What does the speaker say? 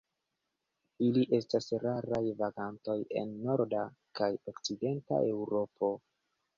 Ili estas raraj vagantoj en norda kaj okcidenta Eŭropo.